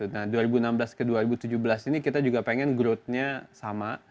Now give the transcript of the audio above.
nah dua ribu enam belas ke dua ribu tujuh belas ini kita juga pengen growth nya sama